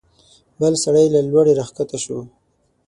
بل سړی له لوړې راکښته شو.